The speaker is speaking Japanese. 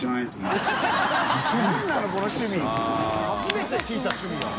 初めて聞いた趣味やわ。